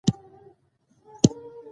بامیان د افغانستان د ښاري پراختیا سبب کېږي.